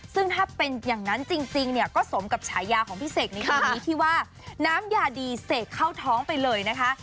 ซึ่งถ้าเป็นอย่างนั้นจริงเนี่ยก็สมกับฉายาของพี่เสกในปีนี้ที่ว่าน้ำยาดีเสกเข้าท้องไปเลยนะคะ